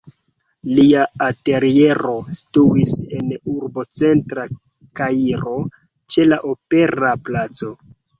Lia ateliero situis en urbocentra Kairo, ĉe la opera placo.